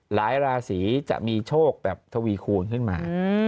หลายราศีจะมีโชคแบบทวีคูณขึ้นมา